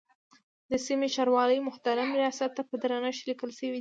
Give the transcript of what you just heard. د سیمې د ښاروالۍ محترم ریاست ته په درنښت لیکل شوی دی.